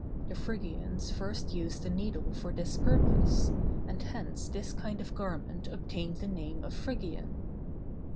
The Phrygians first used the needle for this purpose, and hence this kind of garment obtained the name of Phrygian.